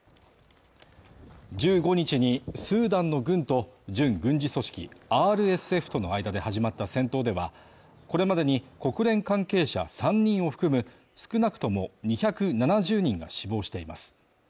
１５日にスーダンの軍と準軍事組織、ＲＳＦとの間で始まった戦闘では、これまでに国連関係者３人を含む少なくとも２７０人が死亡しています。